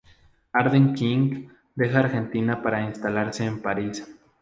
Arden Quin deja Argentina para instalarse en París.